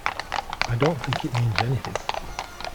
I don't think it means anything.